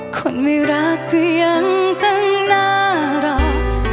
คนไม่รักก็ยังตั้งน่ารัก